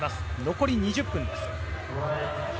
残り２０分です。